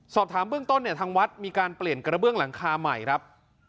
สอบถามเบื้องต้นเนี่ยทางวัดมีการเปลี่ยนกระเบื้องหลังคาใหม่ครับ